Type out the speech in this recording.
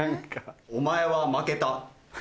お前は負けた。